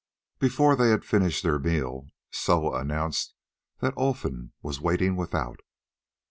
Before they had finished their meal, Soa announced that Olfan was waiting without.